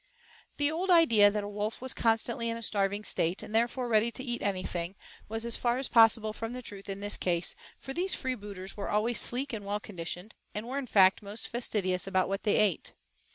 The old idea that a wolf was constantly in a starving state, and therefore ready to eat anything, was as far as possible from the truth in this case, for these freebooters were always sleek and well conditioned, and were in fact most fastidious about what they ate.